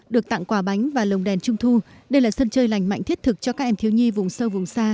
được tặng quà bánh và lồng đèn trung thu đây là sân chơi lành mạnh thiết thực cho các em thiếu nhi vùng sâu vùng xa